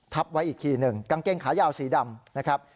ไว้อีกทีหนึ่งกางเกงขายาวสีดำนะครับ